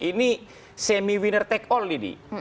ini semi winner take all ini